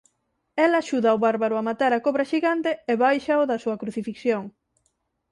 El axuda ó bárbaro a matar a cobra xigante e báixao da súa crucifixión.